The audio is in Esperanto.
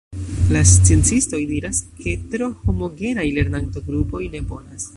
La sciencistoj diras, ke tro homogenaj lernanto-grupoj ne bonas.